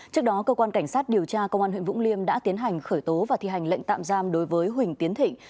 trước đó cơ quan cảnh sát điều tra công an huyện vũng liêm đã tiến hành khởi tố và thi hành lệnh tạm giam đối với huỳnh tiến thịnh